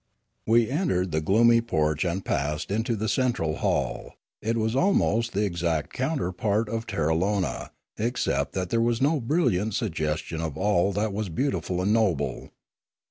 We entered the gloomy porch and passed into the central hall; it was almost the exact counterpart of Terralona, except that there was no brilliant sugges tion of all that was beautiful and noble.